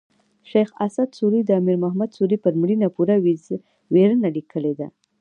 شېخ اسعد سوري د امیر محمد سوري پر مړینه یوه ویرنه لیکلې ده.